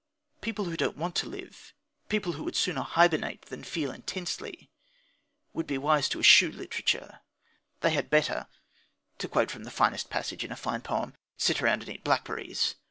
People who don't want to live, people who would sooner hibernate than feel intensely, will be wise to eschew literature. They had better, to quote from the finest passage in a fine poem, "sit around and eat blackberries."